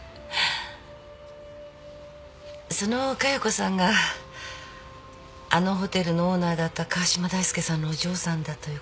その加代子さんがあのホテルのオーナーだった川嶋大介さんのお嬢さんだということは。